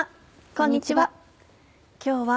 こんにちは。